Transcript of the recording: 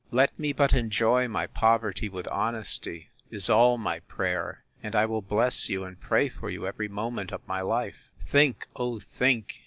Let me but enjoy my poverty with honesty, is all my prayer, and I will bless you, and pray for you, every moment of my life! Think, O think!